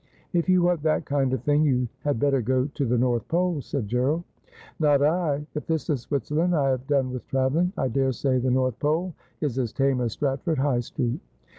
' If you want that kind of thing you had better go to the North Pole,' said Gerald. 'Not I. If this is Switzerland I have done with travelling. I daresay the North Pole is as tame as Stratford High Street.'